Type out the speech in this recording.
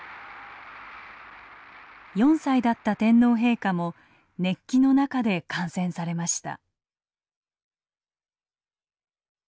４歳だった天皇陛下も熱気の中で観戦されました。